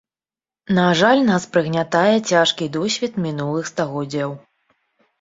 На жаль, нас прыгнятае цяжкі досвед мінулых стагоддзяў.